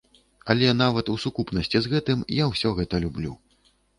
Але нават у сукупнасці з гэтым я ўсё гэта люблю.